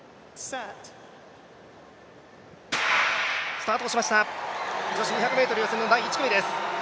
スタートしました、女子２００ｍ予選の第１組です。